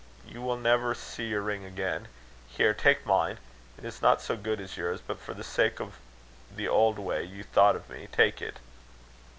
You will never see your ring again. Here, take mine. It is not so good as yours, but for the sake of the old way you thought of me, take it."